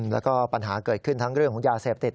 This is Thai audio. แล้วก็ปัญหาเกิดขึ้นทั้งเรื่องของยาเสพติด